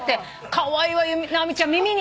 カワイイわ直美ちゃん耳に。